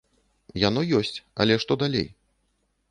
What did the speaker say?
Яно ёсць, але што далей?